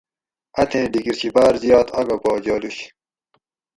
اتھیں ڈیکیر شی باۤر زیات آگہ پا جالُوش